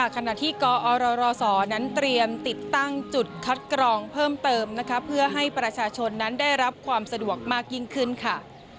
ขณะที่กอรศนั้นเตรียมติดตั้งจุดคัดกรองเพิ่มเติมนะคะเพื่อให้ประชาชนนั้นได้รับความสะดวกมากยิ่งขึ้นค่ะ